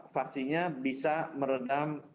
vaksinnya bisa meredam